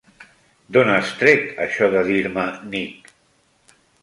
D'on has tret això de dir-me Nick?